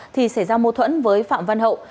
thì xảy ra mô thuẫn với phạm văn hậu